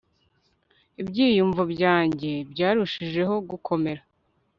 Ibyiyumvo byanjye byarushijeho gukomera